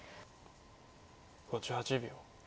５８秒。